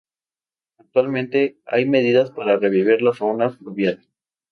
Actualmente, hay medidas para revivir la fauna fluvial.